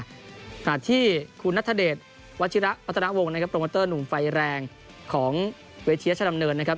หลังจากที่คุณนัฐเดชวัฒนาวงโปรเมอเตอร์หนุ่มไฟแรงของเวทีชนำเนินนะครับ